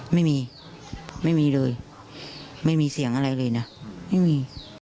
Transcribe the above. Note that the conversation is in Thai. ไม่มีไม่มีเลยไม่มีเสียงอะไรเลยนะไม่มี